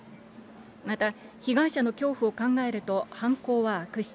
また、被害者の恐怖を考えると、犯行は悪質。